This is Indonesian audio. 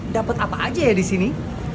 seratus dapat apa aja ya disini